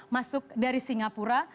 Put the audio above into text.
masuk dari singapura